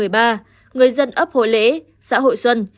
thì ông võ văn một mươi ba người dân ấp hội lễ xã hội xuân